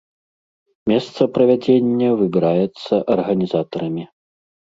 Месца правядзення выбіраецца арганізатарамі.